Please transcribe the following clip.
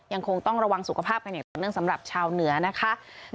ยังคงต้องระวังสุขภาพกันอย่างต่อเนื่องสำหรับชาวเหนือนะคะ